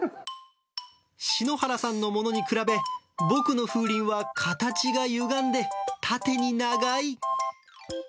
篠原さんのものに比べ、僕の風鈴は形がゆがんで縦に長い。